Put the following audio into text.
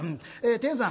「天さん